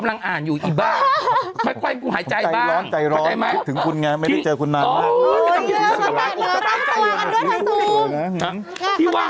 แล้วเขาตอบว่า